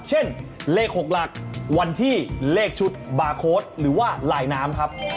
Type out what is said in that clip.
เช่นเลข๖หลักวันที่เลขชุดบาร์โค้ดหรือว่าลายน้ำครับ